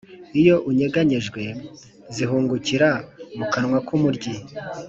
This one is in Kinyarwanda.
iyo unyeganyejwe zihungukira mu kanwa k’umuryi.